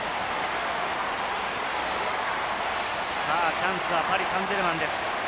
チャンスはパリ・サンジェルマンです。